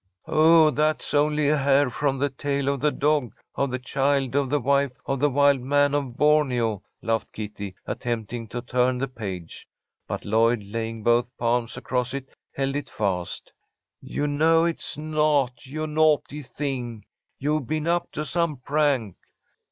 "Oh, that's only a 'hair from the tail of the dog of the child of the wife of the wild man of Borneo,'" laughed Kitty, attempting to turn the page; but Lloyd, laying both palms across it, held it fast. "You know it's not, you naughty thing. You've been up to some prank."